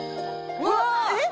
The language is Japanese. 「うわっ！えっ！